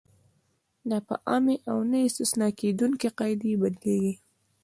دا په عامې او نه استثنا کېدونکې قاعدې بدلیږي.